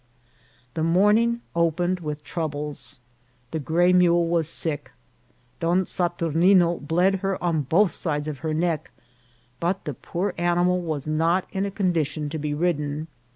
The morning opened with troubles. The gray mule was sick. Don Saturnine bled her on both sides of her neck, but the poor animal was not in a condition to be ridden.